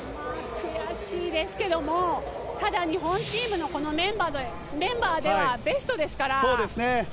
悔しいですけどもただ、日本チームのメンバーではベストですから。